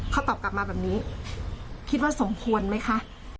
เขาตอบกลับมาแบบนี้คิดว่าสมควรไหมคะ